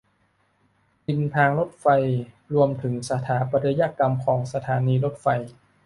ริมทางรถไฟ รวมถึงสถาปัตยกรรมของสถานีรถไฟ